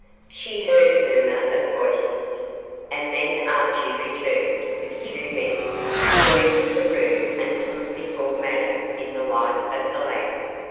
She heard a murmur of voices, and then Archie returned with two men, who entered the room and stood before Madame in the light of the lamp.